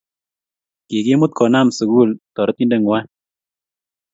Kikimut kona sukul toretindengwai